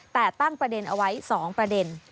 แต่ตั้งประเด็นเอาไว้๒ประเด็น